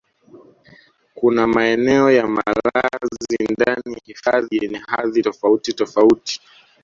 Kuna maeneo ya malazi ndani ya hifadhi yenye hadhi tofautitofauti